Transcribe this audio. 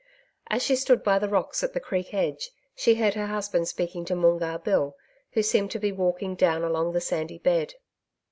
As she stood by the rocks at the creek edge, she heard her husband speaking to Moongarr Bill, who seemed to be walking down along the sandy bed.